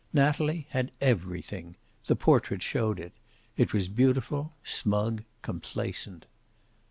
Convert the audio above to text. Natalie had everything. The portrait showed it. It was beautiful, smug, complacent.